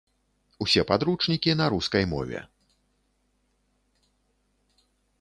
Усе падручнікі на рускай мове.